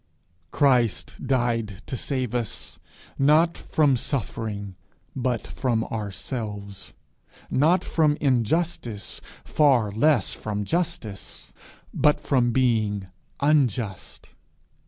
Christ died to save us, not from suffering, but from ourselves; not from injustice, far less from justice, but from being unjust.